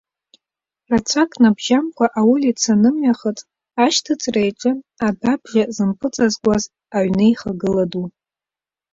Рацәак набжьамкәа аулица нымҩахыҵ ашьҭыҵра иаҿын адәы абжа зымпыҵазкуаз аҩнеихагыла ду.